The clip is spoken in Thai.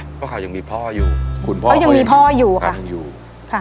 เพราะเขายังมีพ่ออยู่คุณพ่อเขายังมีพ่ออยู่ค่ะ